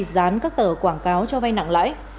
dán các tờ quảng cáo cho vay nặng lãi